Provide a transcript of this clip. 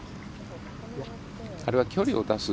あれは距離を出す。